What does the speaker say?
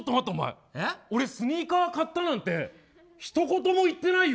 俺スニーカー買ったなんてひと言も言ってないよ。